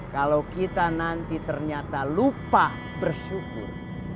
kalau kita nanti ternyata lupa bersyukur